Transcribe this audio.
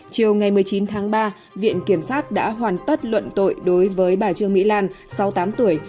chiều ngày một mươi chín tháng ba viện kiểm sát đã hoàn tất luận tội đối với bà trương mỹ lan sáu mươi tám tuổi